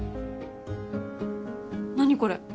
何これ？